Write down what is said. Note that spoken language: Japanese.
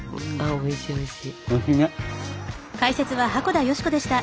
おいしいね。